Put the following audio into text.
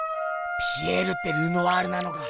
ピエールってルノワールなのか。